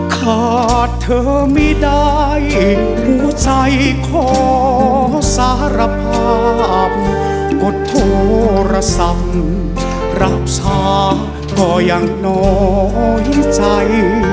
ขาดเธอไม่ได้หัวใจขอสารภาพกดโทรศัพท์รับชาก็ยังน้อยใจ